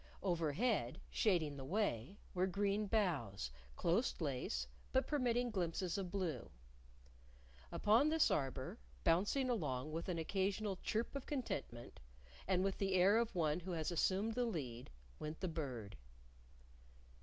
Overhead, shading the way, were green boughs, close laced, but permitting glimpses of blue. Upon this arbor, bouncing along with an occasional chirp of contentment, and with the air of one who has assumed the lead, went the Bird.